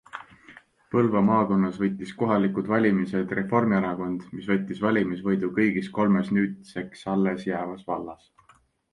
Põlva maakonnas võitis kohalikud valimised Reformierakond, mis võttis valimisvõidu kõigis kolmes nüüdseks allesjäävas vallas.